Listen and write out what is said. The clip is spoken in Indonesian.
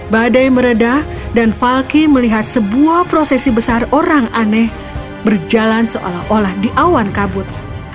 badai meredah dan falky melihat sebuah prosesi besar orang aneh berjalan seolah olah di awan kabut